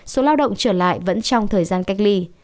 số lao động trở lại vẫn trong thời gian cách ly